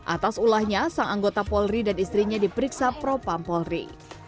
atas ulahnya sang anggota polri dan istrinya diperiksa propam polri